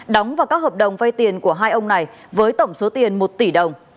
đóng vào các hợp đồng vay tiền của hai ông này với tổng số tiền một tỷ đồng